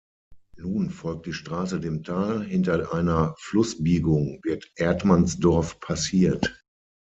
Nun folgt die Straße dem Tal, hinter einer Flussbiegung wird Erdmannsdorf passiert.